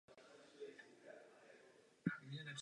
Seriál je založen na izraelském seriálu "North Star".